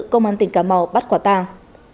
công an tỉnh cà mau bắt quả tàng